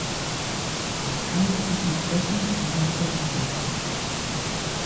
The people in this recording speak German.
Man kann nicht so viel fressen, wie man kotzen möchte.